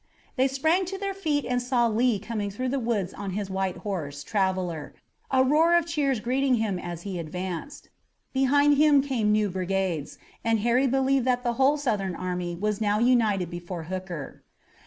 They sprang to their feet and saw Lee coming through the woods on his white horse, Traveler, a roar of cheers greeting him as he advanced. Behind him came new brigades, and Harry believed that the whole Southern army was now united before Hooker.